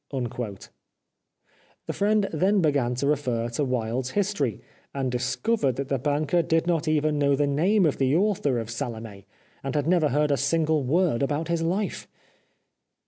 The friend then began to refer to Wilde's history, and discovered that the banker did not even know the name of the author of " Salome," and had never heard a single word about his life